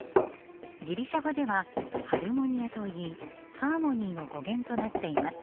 ギリシャ語ではハルモニアといいハーモニーの語源となっています。